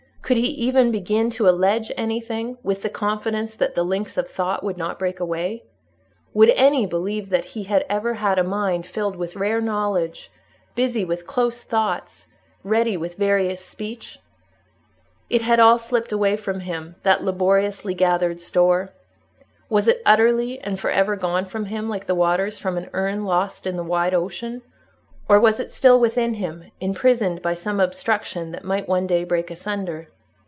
Could he even begin to allege anything, with the confidence that the links of thought would not break away? Would any believe that he had ever had a mind filled with rare knowledge, busy with close thoughts, ready with various speech? It had all slipped away from him—that laboriously gathered store. Was it utterly and for ever gone from him, like the waters from an urn lost in the wide ocean? Or, was it still within him, imprisoned by some obstruction that might one day break asunder?